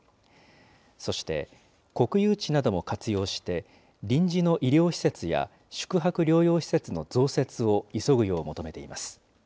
そして、国有地なども活用して、臨時の医療施設や宿泊療養施設の増設を急ぐよう求めています。